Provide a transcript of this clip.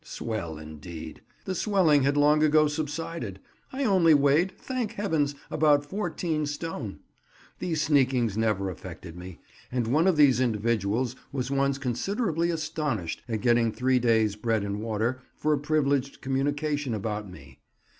Swell indeed! The swelling had long ago subsided. I only weighed, thank heavens! about fourteen stone. These sneakings never affected me, and one of these individuals was once considerably astonished at getting three days bread and water for a privileged communication about me.